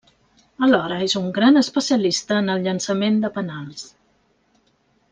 Alhora, és un gran especialista en el llançament de penals.